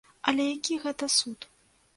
Але які гэта суд?